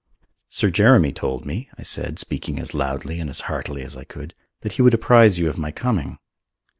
"Sir Jeremy told me," I said, speaking as loudly and as heartily as I could, "that he would apprise you of my coming."